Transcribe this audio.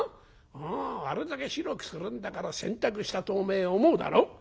あれだけ白くするんだから洗濯したとおめえ思うだろ？」。